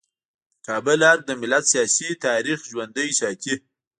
د کابل ارګ د ملت سیاسي تاریخ ژوندی ساتي.